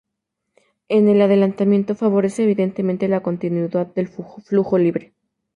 El adelantamiento favorece, evidentemente, la continuidad del flujo libre.